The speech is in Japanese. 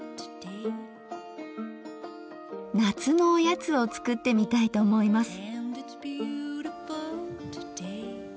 夏のおやつを作ってみたいと思います。